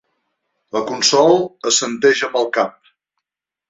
La Consol assenteix amb el cap.